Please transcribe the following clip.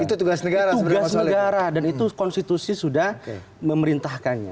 itu tugas negara dan itu konstitusi sudah memerintahkannya